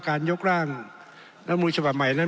การยกร่างรัฐมนุนฉบับใหม่นั้น